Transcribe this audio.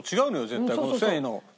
絶対この繊維の質が。